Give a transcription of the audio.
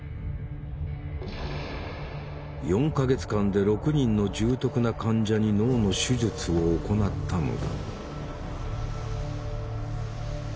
４か月間で６人の重篤な患者に脳の手術を行ったのだ。